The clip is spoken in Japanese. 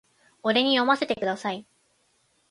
俺に読ませてください